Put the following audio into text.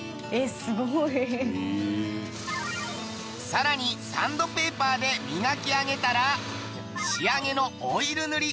更にサンドペーパーで磨き上げたら仕上げのオイル塗り。